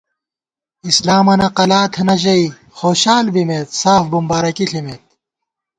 اِسلامَنہ قَلا تھنہ ژَئی خوشال بِمېت، ساف بُمبارَکی ݪِمېت